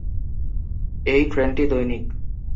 এই ট্রেনটি দৈনিক।